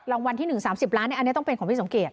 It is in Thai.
รางวัลที่หนึ่งสามสิบล้านเนี่ยอันนี้ต้องเป็นของพี่สมเกียจ